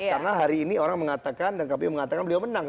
karena hari ini orang mengatakan dan kapil mengatakan beliau menang